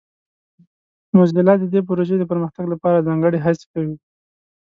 موزیلا د دې پروژې د پرمختګ لپاره ځانګړې هڅې کوي.